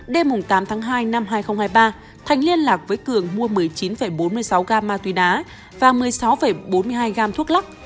đêm tám tháng hai năm hai nghìn hai mươi ba thành liên lạc với cường mua một mươi chín bốn mươi sáu gam ma túy đá và một mươi sáu bốn mươi hai gam thuốc lắc